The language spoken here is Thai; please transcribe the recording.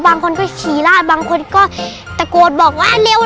บางคนก็ขี่ลาดบางคนก็ตะโกนบอกว่าเร็ว